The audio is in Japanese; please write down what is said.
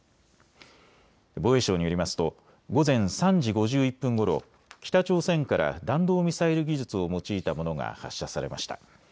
防衛省によりますと午前３時５１分ごろ北朝鮮から弾道ミサイル技術を用いたものが発射されました。